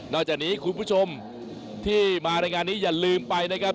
จากนี้คุณผู้ชมที่มาในงานนี้อย่าลืมไปนะครับ